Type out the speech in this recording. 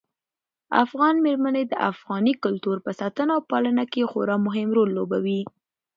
افغان مېرمنې د افغاني کلتور په ساتنه او پالنه کې خورا مهم رول لوبوي.